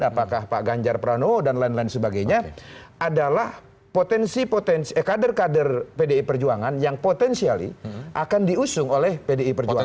apakah pak ganjar pranowo dan lain lain sebagainya adalah potensi potensi kader kader pdi perjuangan yang potensial akan diusung oleh pdi perjuangan